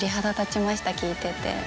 聴いてて。